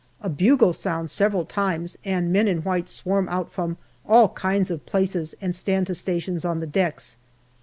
A bugle sounds several times, and men in white swarm out from all kinds of places and stand to stations on the decks.